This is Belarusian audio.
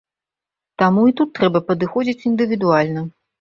Таму і тут трэба падыходзіць індывідуальна.